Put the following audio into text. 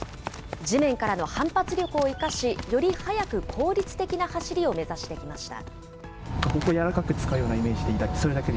地面からの反発力を生かし、より早く効率的な走りを目指してきました。